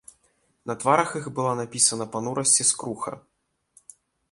На тварах іх была напісана панурасць і скруха.